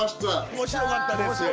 面白かったですよ。